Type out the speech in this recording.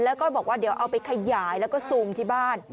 แล้วก็บอกว่าเดี๋ยวเอาไปขยายแล้วก็ซูมที่บ้าน